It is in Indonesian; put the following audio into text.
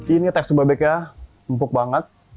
ini tekstur babek ya empuk banget